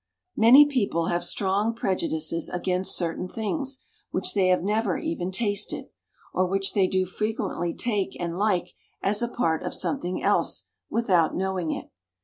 MANY people have strong prejudices against certain things which they have never even tasted, or which they do frequently take and like as a part of something else, without knowing it.